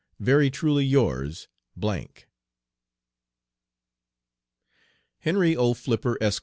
Very truly yours, . HENRY O. FLIPPER, ESQ.